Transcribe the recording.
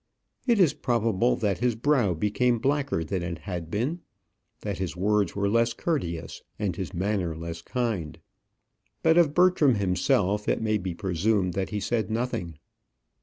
It is probable that his brow became blacker than it had been, that his words were less courteous, and his manner less kind; but of Bertram himself, it may be presumed that he said nothing.